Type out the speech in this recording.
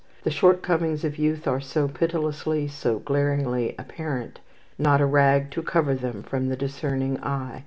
The shortcomings of youth are so pitilessly, so glaringly apparent. Not a rag to cover them from the discerning eye.